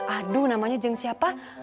aduh namanya jeng siapa